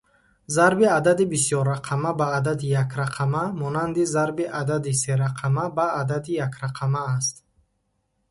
Зарби адади бисёррақама ба адади якрақама монанди зарби адади серақама ба адади якрақама аст.